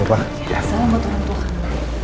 salam tuhan tuhan